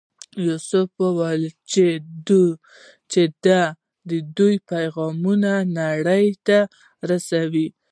یوسف وویل چې د دوی پیغامونه نړۍ ته ورسوو.